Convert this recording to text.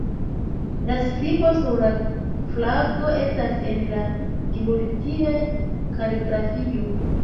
La skribo sur la flago estas en la Thuluth-kaligrafio.